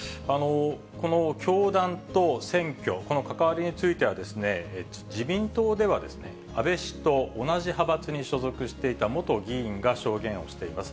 この教団と選挙、この関わりについては、自民党では安倍氏と同じ派閥に所属していた元議員が証言をしています。